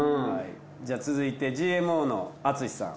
じゃ続いてＧＭＯの淳史さん。